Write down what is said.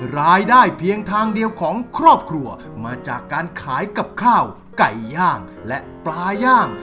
รายได้เพียงทางเดียวของครอบครัวมาจากการขายกับข้าวไก่ย่างและปลาย่าง